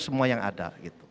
semua yang ada